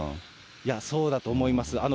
そうだと思います。